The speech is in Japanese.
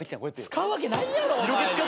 使うわけないやろ。